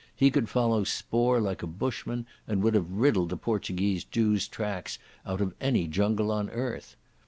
He could follow spoor like a Bushman, and would have riddled the Portuguese Jew's track out of any jungle on earth.